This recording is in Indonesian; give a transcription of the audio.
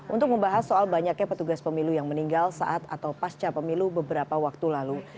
untuk membahas soal banyaknya petugas pemilu yang meninggal saat atau pasca pemilu beberapa waktu lalu